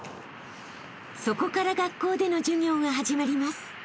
［そこから学校での授業が始まります］